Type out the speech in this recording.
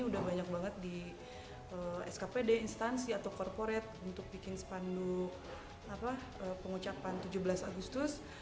udah banyak banget di skpd instansi atau korporat untuk bikin spanduk pengucapan tujuh belas agustus